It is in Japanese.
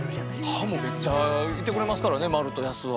ハモめっちゃいってくれますからねマルとヤスは。